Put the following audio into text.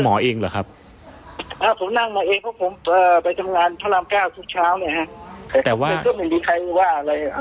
ผมนั่งมาเองเพราะผมไปทำงานพระราม๙ทุกเช้าแต่ก็ไม่มีใครว่าอะไร